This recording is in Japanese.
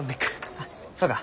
あっそうか。